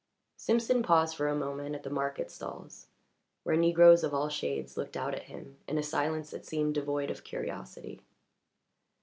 Simpson paused for a moment at the market stalls, where negroes of all shades looked out at him in a silence that seemed devoid of curiosity.